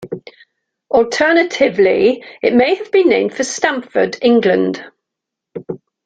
Alternately, it may have been named for Stamford, England.